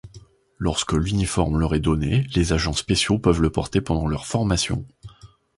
Lorsque l'uniforme leur est donné, les agents spéciaux peuvent le porter pendant leur formation.